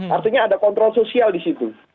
artinya ada kontrol sosial di situ